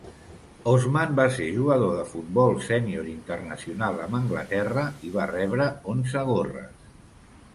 Osman va ser jugador de futbol sénior internacional amb Anglaterra i va rebre onze gorres.